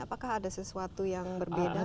apakah ada sesuatu yang berbeda